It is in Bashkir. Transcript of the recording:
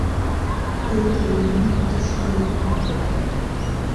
Эт йыйыны төшкә етмәҫ.